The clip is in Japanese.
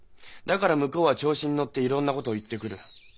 だから向こうは調子に乗っていろんな事を言ってくる。